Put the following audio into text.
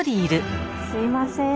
すいません。